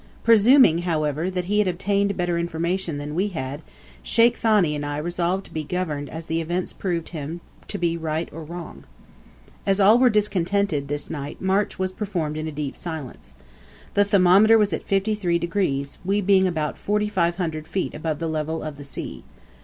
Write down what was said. Presuming, however, that he had obtained better information than we had, Sheikh Thani and I resolved to be governed as the events proved him to be right or wrong. As all were discontented, this night, march was performed in deep silence. The thermometer was at 53°, we being about 4,500 feet above the level of the sea.